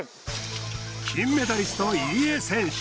金メダリスト入江選手。